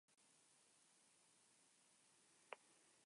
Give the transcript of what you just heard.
La propiedad particular de la definición es "controlada".